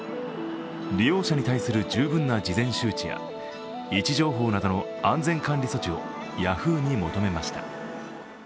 利用者に対する十分な事前周知や位置情報などの安全管理措置をヤフーに求めました。